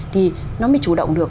thì nó mới chủ động được